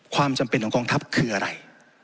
ความจำเป็นของกองทัพคืออะไร